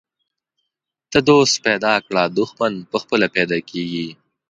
ته دوست پیدا کړه، دښمن پخپله پیدا کیږي.